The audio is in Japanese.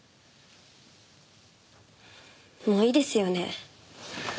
もういいですよね？